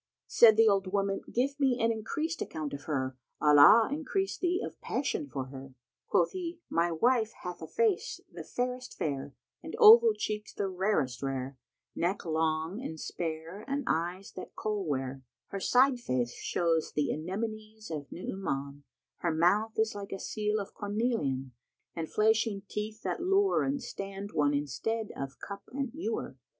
"[FN#133] Said the old woman, "Give me an increased account of her, Allah increase thee of passion for her!" Quoth he, "My wife hath a face the fairest fair and oval cheeks the rarest rare; neck long and spare and eyes that Kohl wear; her side face shows the Anemones of Nu'uman, her mouth is like a seal of cornelian and flashing teeth that lure and stand one in stead of cup and ewer.